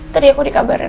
tadi aku dikabarin